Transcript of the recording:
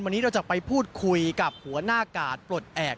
วันนี้เราจะไปพูดคุยกับหัวหน้ากาดปลดแอบ